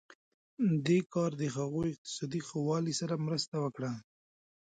دې کار د هغوی اقتصادي ښه والی سره مرسته وکړه.